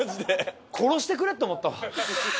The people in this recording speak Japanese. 殺してくれって思ったわ。